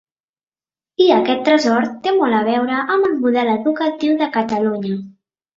I aquest tresor té molt a veure amb el model educatiu de Catalunya.